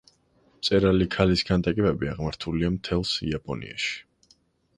მწერალი ქალის ქანდაკებები აღმართულია მთელს იაპონიაში.